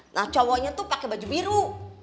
nah cowoknya tuh pakai baju biru